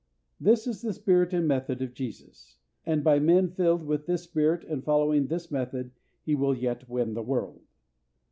This is the spirit and method of Jesus; and by men filled with this spirit and following this method He will yet win the world.